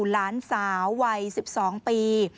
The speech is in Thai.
หลานสาววัย๑๒ปี